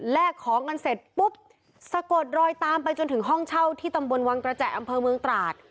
ของกันเสร็จปุ๊บสะกดรอยตามไปจนถึงห้องเช่าที่ตำบลวังกระแจอำเภอเมืองตราด